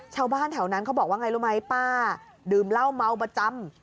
ชาวบ้านแถวนั้นเขาบอกว่าไงรู้ไหมป้าดื่มเหล้าเมาประจำ